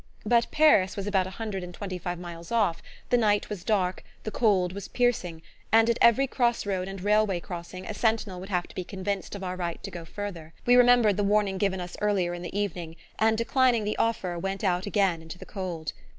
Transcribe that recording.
But Paris was about a hundred and twenty five miles off, the night was dark, the cold was piercing and at every cross road and railway crossing a sentinel would have to be convinced of our right to go farther. We remembered the warning given us earlier in the evening, and, declining the offer, went out again into the cold.